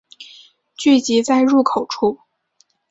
聚集在入口处